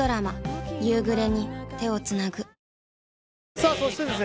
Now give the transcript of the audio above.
さあそしてですね